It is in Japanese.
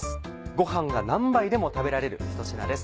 ご飯が何杯でも食べられるひと品です。